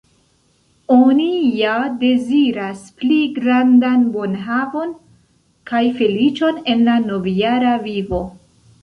Oni ja deziras pli grandan bonhavon kaj feliĉon en la novjara vivo.